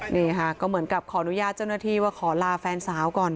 นี่ค่ะก็เหมือนกับขออนุญาตเจ้าหน้าที่ว่าขอลาแฟนสาวก่อน